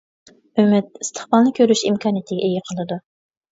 ئۈمىد ئىستىقبالنى كۆرۈش ئىمكانىيىتىگە ئىگە قىلىدۇ.